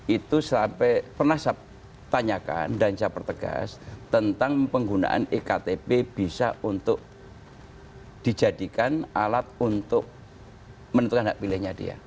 itu sampai pernah saya tanyakan dan saya pertegas tentang penggunaan ektp bisa untuk dijadikan alat untuk menentukan hak pilihnya dia